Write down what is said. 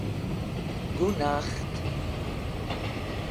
Goenacht